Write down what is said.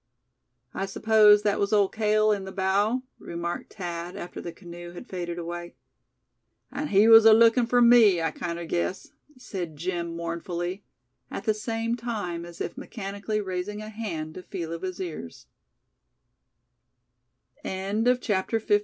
"I suppose that was Old Cale in the bow?" remarked Thad, after the canoe had faded away. "An' he was alookin' fur me, I kinder guess," said Jim, mournfully; at the same time, as if mechanically raising a hand to feel of his ears. CHAPTER XVI.